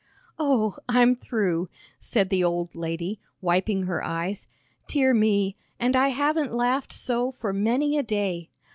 "Oh, I'm through," said the old lady, wiping her eyes; "dear me, and I haven't laughed so for many a day.